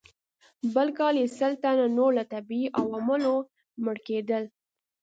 بل کال یې سل تنه نور له طبیعي عواملو مړه کېدل.